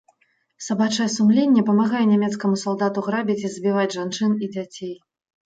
Сабачае сумленне памагае нямецкаму салдату грабіць і забіваць жанчын і дзяцей.